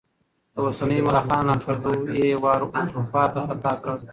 د اوسنيو ملخانو ناکردو یې واروپار ختا کړ.